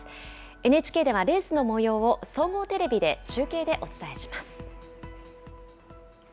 ＮＨＫではレースのもようを総合テレビで中継でお伝えします。